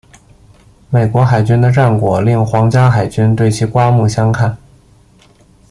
美国海军的战果令皇家海军对其刮目相看。